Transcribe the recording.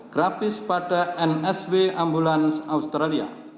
grafis pada nsw ambulans australia